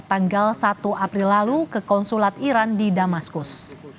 tanggal satu april lalu ke konsulat iran di damaskus